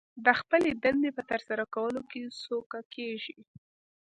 د خپلې دندې په ترسره کولو کې سوکه کېږي